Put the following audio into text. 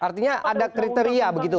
artinya ada kriteria begitu